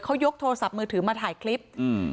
เขายกโทรศัพท์มือถือมาถ่ายคลิปอืม